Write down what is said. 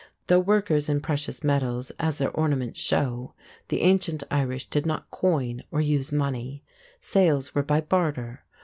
Though workers in precious metals, as their ornaments show, the ancient Irish did not coin or use money. Sales were by barter.